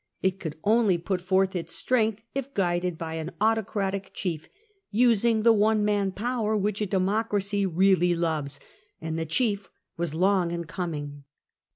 It could only put forth its strength if guided by an autocratic chief, using the ^'one man power which a democracy really loves. And the chief was long in coming.